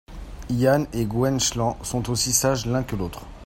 Yann et Gwenc'hlan sont aussi sages l'un que l'autre.